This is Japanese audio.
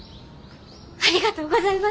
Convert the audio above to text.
ありがとうございます！